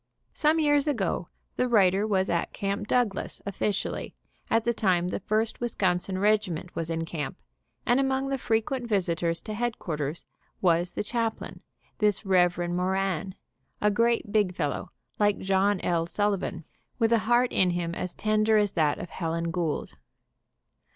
Some years ago the writer was at Camp Douglas officially, at the time the First Wisconsin regiment was in camp, and among the fre quent visitors to headquarters was the chaplain, this Rev. Moran, a great big fellow like John L. Sullivan, with a heart in him as tender as that of Helen Gould.